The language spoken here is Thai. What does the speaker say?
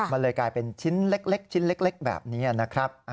มันเลยกลายเป็นชิ้นเล็กแบบนี้นะครับ